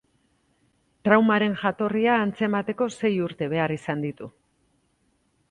Traumaren jatorria antzemateko sei urte behar izan ditu.